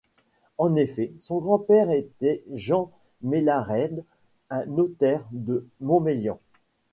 En effet, son grand-père était Jean Mellarède, un notaire de Montmélian.